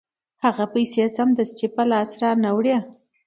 هغه پیسې سمدستي په لاس نه راوړي